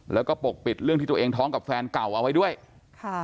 แล้วก็ปกปิดเรื่องที่ตัวเองท้องกับแฟนเก่าเอาไว้ด้วยค่ะ